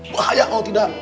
bahaya kalau tidak